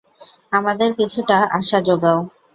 আমাদের কিছুটা আশা জোগাও!